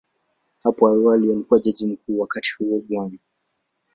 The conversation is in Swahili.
Hapo awali alikuwa Jaji Mkuu, wakati huo Bw.